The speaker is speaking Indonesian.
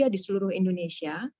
di seluruh indonesia